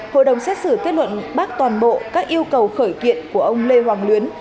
hội đồng xét xử kết luận bác toàn bộ các yêu cầu khởi kiện của ông lê hoàng luyến